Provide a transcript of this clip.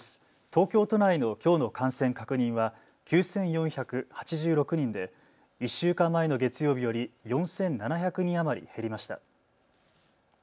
東京都内のきょうの感染確認は９４８６人で１週間前の月曜日より４７００人余り減りました。